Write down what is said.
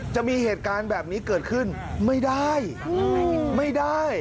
จะมีเหตุการณ์แบบนี้เกิดขึ้นไม่ได้ไม่ได้